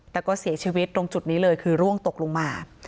แต่ก็เสียชีวิตตรงจุดนี้เลยคือร่วงตกลงมา